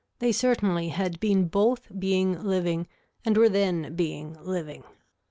They certainly had been both being living and were then being living.